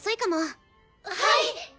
はい！